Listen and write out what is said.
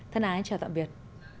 thân ái chào tạm biệt